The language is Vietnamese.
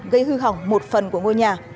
gây hư hỏng một phần của ngôi nhà